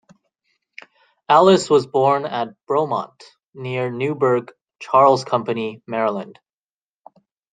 Alice was born at "Bromont", near Newburg, Charles Company, Maryland.